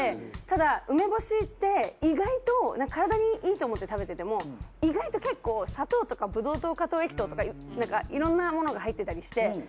ただ梅干しって意外と体にいいと思って食べてても意外と結構砂糖とかブドウ糖果糖液糖とかなんかいろんなものが入ってたりして。